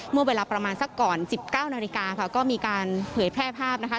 เมื่อเวลาประมาณสักก่อน๑๙นาฬิกาค่ะก็มีการเผยแพร่ภาพนะคะ